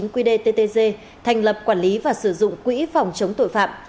hai nghìn một mươi chín qdttg thành lập quản lý và sử dụng quỹ phòng chống tội phạm